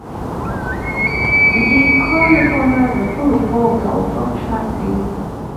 د دې کار لپاره د ټولو خواوو توافق شرط دی.